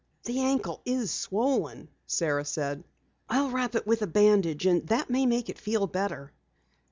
"The ankle is swollen," Sara said, "I'll wrap it with a bandage and that may make it feel better."